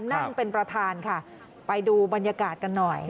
นั่งเป็นประธานค่ะไปดูบรรยากาศกันหน่อย